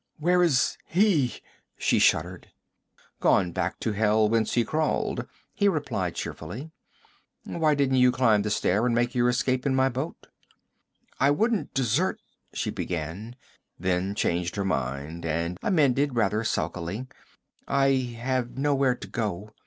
'Where is he?' she shuddered. 'Gone back to hell whence he crawled,' he replied cheerfully. 'Why didn't you climb the stair and make your escape in my boat?' 'I wouldn't desert ' she began, then changed her mind, and amended rather sulkily, 'I have nowhere to go.